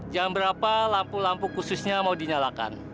jam berapa lampu lampu khususnya mau dinyalakan